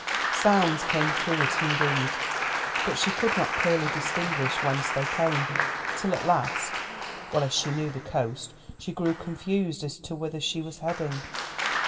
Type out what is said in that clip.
Sounds came through it indeed, but she could not clearly distinguish whence they came, till at last, well as she knew the coast, she grew confused as to whither she was heading.